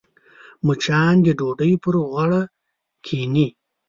مچان د ډوډۍ پر غوړه کښېني